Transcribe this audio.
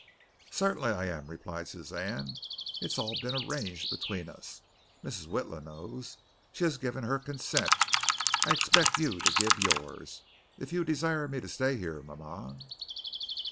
"Certainly I am," replied Suzanne. "It is all arranged between us. Mrs. Witla knows. She has given her consent. I expect you to give yours, if you desire me to stay here, mama."